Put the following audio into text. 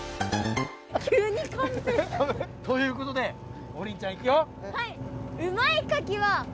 急にカンペ。ということで王林ちゃん行くよ。